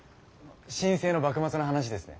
真正の幕末の話ですね！